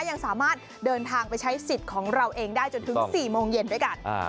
ยังสามารถเดินทางไปใช้สิทธิ์ของเราเองได้จนถึง๔โมงเย็นด้วยกัน